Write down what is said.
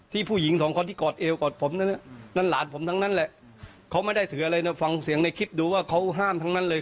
ผู้หญิงสองคนที่กอดเอวกอดผมนั้นนั่นหลานผมทั้งนั้นแหละเขาไม่ได้ถืออะไรนะฟังเสียงในคลิปดูว่าเขาห้ามทั้งนั้นเลย